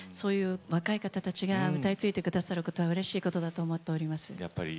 若い方たちが歌い継いでくださることはうれしいことだと思っております。